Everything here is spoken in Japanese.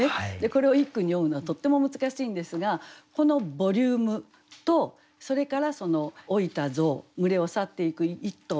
これを一句に詠むのはとっても難しいんですがこのボリュームとそれから老いた象群れを去っていく一頭